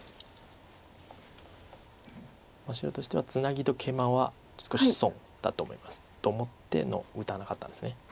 白としてはツナギとケイマは少し損だと思います。と思って打たなかったんです。